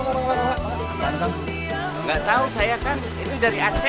gak tau saya kan itu dari aceh